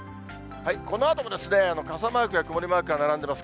このあとも傘マークや曇りマークが並んでます。